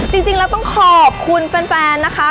จริงจริงแล้วต้องขอบคุณแฟนแฟนนะคะ